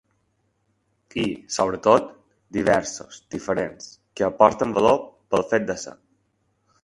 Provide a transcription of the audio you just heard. I, sobretot, diversos, diferents, que aporten valor pel fet de ser.